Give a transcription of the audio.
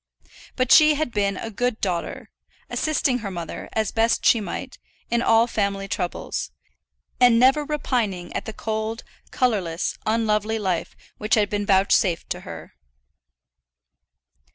But she had been a good daughter, assisting her mother, as best she might, in all family troubles, and never repining at the cold, colourless, unlovely life which had been vouchsafed to her.